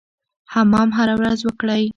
حمام هره ورځ وکړئ.